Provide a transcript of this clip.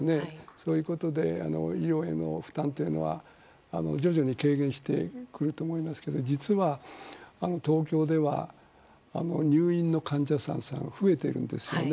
そういうことで医療への負担というのは徐々に軽減してくると思いますが実は、東京では入院の患者さんが増えているんですよね。